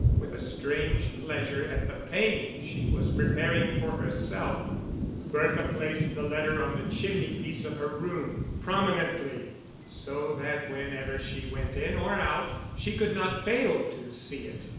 With a strange pleasure at the pain she was preparing for herself, Bertha placed the letter on the chimneypiece of her room, prominently, so that whenever she went in or out, she could not fail to see it.